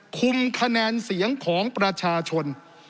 คุมคะแนนเสียงของประชาชน